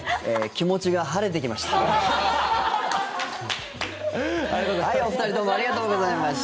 気持ちが晴れてきました。